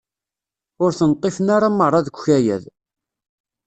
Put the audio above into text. Ur ten-ṭṭifen ara merra deg ukayad.